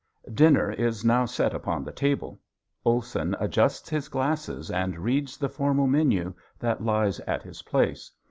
Dinner is now set upon the table. Olson adjusts his glasses and reads the formal menu that lies at his place.